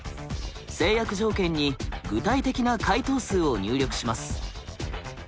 制約条件に具体的な回答数を入力します。